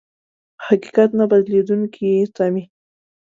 په حقيقت نه بدلېدونکې تمې.